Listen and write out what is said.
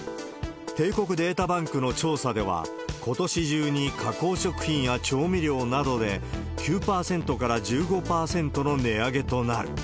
帝国データバンクの調査では、ことし中に加工食品や調味料などで９％から１５％の値上げとなる。